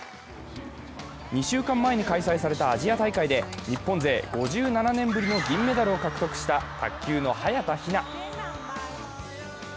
２週間前に開催されたアジア大会で日本勢５７年ぶりりの銀メダルを獲得した卓球の早田ひな。